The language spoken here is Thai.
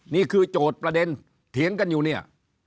โจทย์ประเด็นเถียงกันอยู่เนี่ย